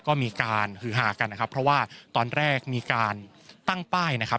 ก็มีการฮือฮากันนะครับเพราะว่าตอนแรกมีการตั้งป้ายนะครับ